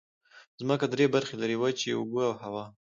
ځمکه درې برخې لري: وچې، اوبه او هوا.